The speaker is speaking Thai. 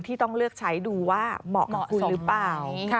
ที่ต้องเลือกใช้ดูว่าเหมาะกับคุณหรือเปล่า